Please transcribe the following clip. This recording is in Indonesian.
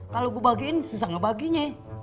kalau gue bagiin susah ngebaginya